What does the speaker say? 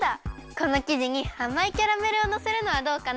このきじにあまいキャラメルをのせるのはどうかな？